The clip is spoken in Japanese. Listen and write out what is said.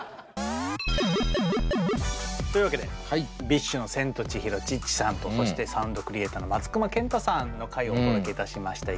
というわけでＢｉＳＨのセントチヒロ・チッチさんとそしてサウンドクリエイターの松隈ケンタさんの回をお届けいたしました。